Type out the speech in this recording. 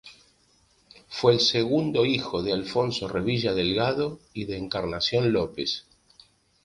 Fue el segundo hijo de Alfonso Revilla Delgado y de Encarnación López.